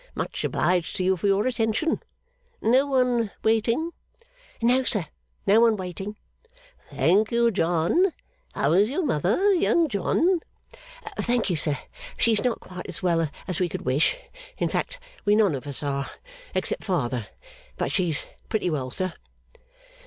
Much obliged to you for your attention. No one waiting?' 'No, sir, no one waiting.' 'Thank you, John. How is your mother, Young John?' 'Thank you, sir, she's not quite as well as we could wish in fact, we none of us are, except father but she's pretty well, sir.